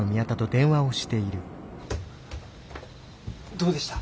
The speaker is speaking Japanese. どうでした？